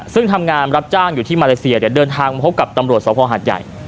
ซึ่งทำงานรับจ้างอยู่ที่มาเลเซียเดี๋ยวเดินทางมาพบกับตำรวจสภหาดใหญ่